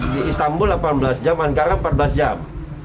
di istanbul delapan belas jam ankara empat belas jam